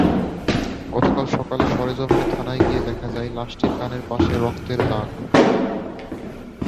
গতকাল সকালে সরেজমিন থানায় গিয়ে দেখা যায়, লাশটির কানের পাশে রক্তের দাগ।